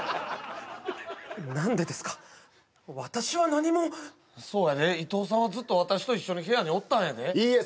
何でですか私は何もそうやでイトウさんはずっと私と一緒の部屋におったんやでいいえ